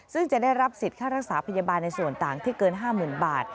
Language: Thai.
ซึ่งจะได้รับสิทธิ์ค่ารักษาพยาบาลในส่วนต่างที่เกิน๕๐๐๐บาท